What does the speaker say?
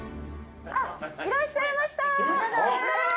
あっいらっしゃいました！